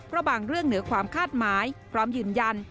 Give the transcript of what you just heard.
เพราะบางเรื่องเหนือความคาดหมายพร้อมยืนยัน